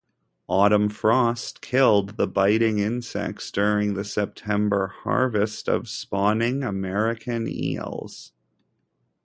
Autumn frost killed the biting insects during the September harvest of spawning American eels.